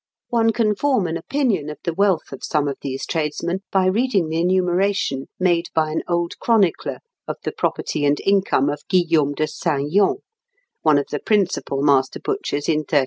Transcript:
One can form an opinion of the wealth of some of these tradesmen by reading the enumeration made by an old chronicler of the property and income of Guillaume de Saint Yon, one of the principal master butchers in 1370.